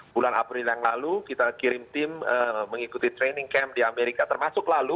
bulan april yang lalu kita kirim tim mengikuti training camp di amerika termasuk lalu